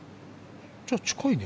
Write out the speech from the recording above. じゃあ近いね。